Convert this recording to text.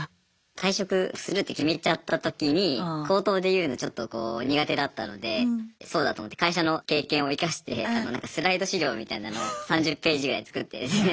退職するって決めちゃった時に口頭で言うのちょっとこう苦手だったのでそうだ！と思って会社の経験を生かしてスライド資料みたいなのを３０ページぐらい作ってですね。